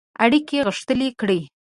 اړیکي غښتلي کړي.